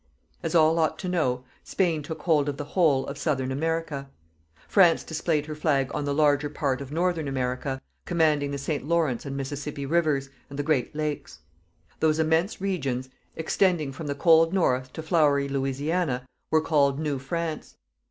As all ought to know, Spain took hold of the whole of Southern America. France displayed her flag on the larger part of Northern America, commanding the St. Lawrence and Mississippi Rivers, and the Great Lakes. Those immense regions, extending from the cold north to flowery Louisiana, were called NEW FRANCE.